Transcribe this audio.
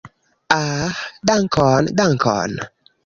Ah, dankon, dankon!